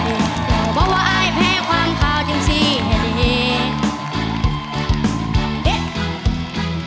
ปุ๊บว่าไอ้แพ้ความคาวจิงเสียดิ